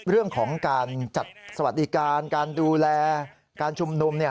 เรื่องของการจัดสวัสดิการการดูแลการชุมนุม